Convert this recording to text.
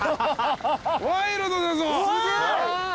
ワイルドだ！